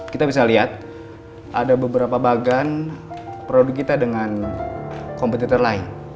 kita bisa lihat ada beberapa bagan produk kita dengan kompetitor lain